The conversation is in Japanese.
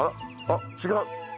あっ違う！